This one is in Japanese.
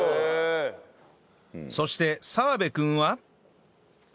そして澤部君は